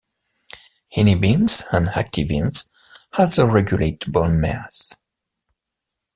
Inhibins and activins also regulate bone mass.